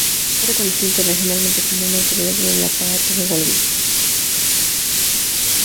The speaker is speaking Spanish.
Fue reconocido internacionalmente como una autoridad en el aparato de Golgi.